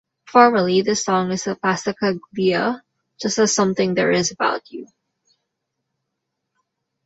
Formally this song is a passacaglia, just as "Something There Is About You".